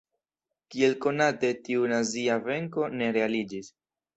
Kiel konate, tiu nazia venko ne realiĝis.